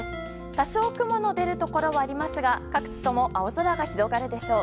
多少雲の出るところはありますが各地とも青空が広がるでしょう。